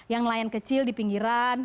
yang nelayan kecil di pinggiran